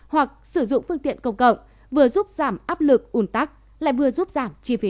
hoặc sử dụng phương tiện công cộng vừa giúp giảm áp lực ủn tắc lại vừa giúp giảm chi phí